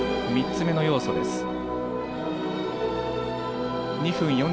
３つ目の要素です。